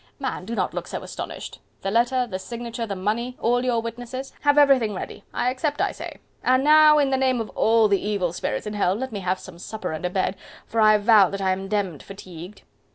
Man! do not look so astonished.... The letter, the signature, the money... all your witnesses... have everything ready.... I accept, I say.... And now, in the name of all the evil spirits in hell, let me have some supper and a bed, for I vow that I am demmed fatigued."